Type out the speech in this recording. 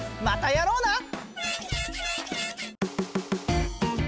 またやろうな！